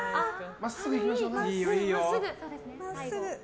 真っすぐいきましょう。